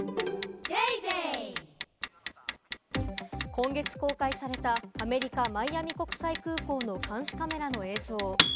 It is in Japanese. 今月公開されたアメリカ・マイアミ国際空港の監視カメラの映像。